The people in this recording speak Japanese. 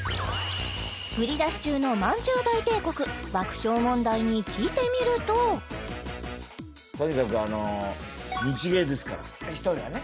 売り出し中のまんじゅう大帝国爆笑問題に聞いてみるととにかく日芸ですから１人がね